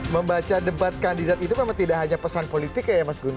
membaca debat kandidat itu memang tidak hanya pesan politik ya mas gun